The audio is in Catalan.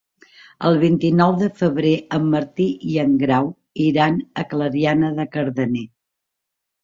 El vint-i-nou de febrer en Martí i en Grau iran a Clariana de Cardener.